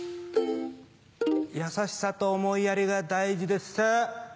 優しさと思いやりが大事です。